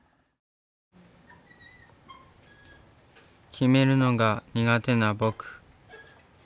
決めるのが苦手な僕。